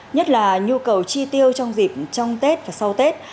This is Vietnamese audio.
nhất là nhu cầu chi tiêu trong dịp trong tết và sau tết